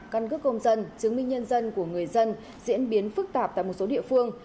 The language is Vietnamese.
căn cước công dân chứng minh nhân dân của người dân diễn biến phức tạp tại một số địa phương